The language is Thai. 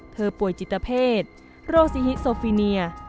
เธอป่วยจิตเผชโรคซีฮิสโฟฟิเนีย